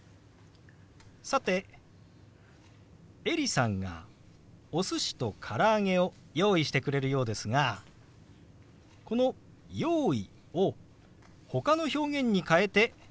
さてエリさんがお寿司と唐揚げを用意してくれるようですがこの「用意」をほかの表現に代えてもっと具体的に表すこともできますよ。